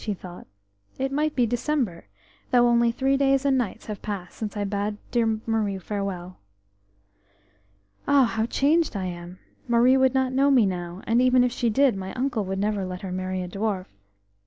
he thought. "It might be December, though only three days and nights have passed since I bade dear Marie farewell. Ah! how changed I am! Marie would not know me now, and even if she did my uncle would never let her marry a dwarf....